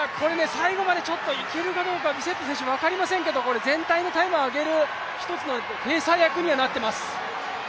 最後までいけるかどうかビセット選手、分かりませんけど全体のタイムを上げる１つのペーサー役にはなっています。